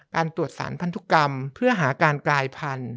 การตรวจสารพันธุกรรมเพื่อหาการกลายพันธุ